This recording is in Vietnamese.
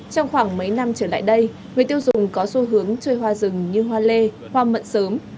trong khoảng mấy năm trở lại đây người tiêu dùng có xu hướng chơi hoa rừng như hoa lê hoa mận sớm